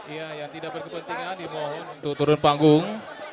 ya yang tidak berkepentingan dimohon untuk turun panggung